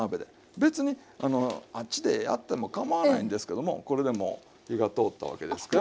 別にあっちでやってもかまわないんですけどもこれでもう火が通ったわけですから。